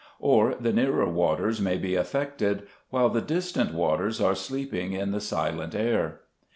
Or the nearer waters may be affected, while the distant waters are sleeping in the silent air.